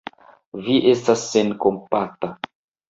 Vi estas senkompata!